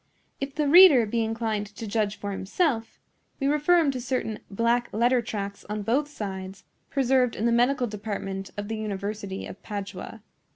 If the reader be inclined to judge for himself, we refer him to certain black letter tracts on both sides, preserved in the medical department of the University of Padua.